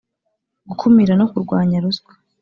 Gukumira no kurwanya ruswa